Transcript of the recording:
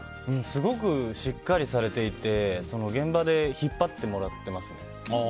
すごくしっかりされていて現場で引っ張ってもらっていますね。